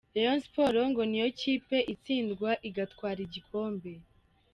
Rayons Sport ngo ni yo kipe itsindwa igatwara igikombe .